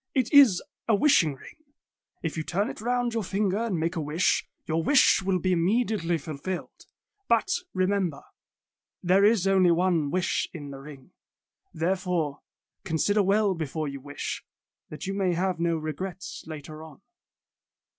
It is a wishing ring. If you turn it round your finger and make a wish, your wish will be immediately ful filled. But, remember, there is only one wish in the ring. Therefore, consider well before you wish, that you may have no regrets later on."